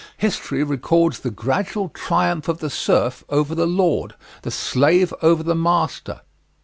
History records the gradual triumph of the serf over the lord, the slave over the master.